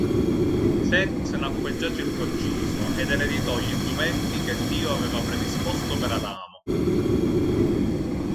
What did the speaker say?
Set nacque già circonciso ed ereditò gli indumenti che Dio aveva predisposto per Adamo.